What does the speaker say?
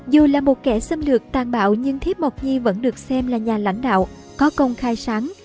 dù là một kẻ xâm lược tàn bạo nhưng thiếp mộc nhi vẫn được xem là nhà lãnh đạo có công khai sáng